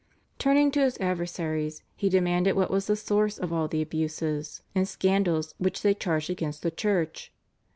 Turning to his adversaries, he demanded what was the source of all the abuses and scandals which they charged against the Church?